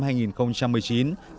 tại trung tâm văn hóa pháp hà nội